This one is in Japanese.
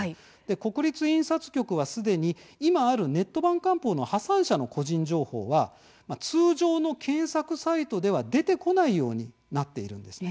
国立印刷局は、すでに今あるネット版官報の破産者の個人情報は通常の検索サイトで出てこないようになっているんです。